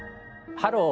「ハロー！